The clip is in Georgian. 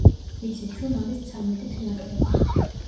ვიცით, რომ არის ცამეტით ნაკლები.